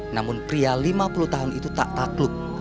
namun pria lima puluh tahun itu tak takluk